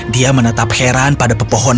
dia menetap heran pada pepohonan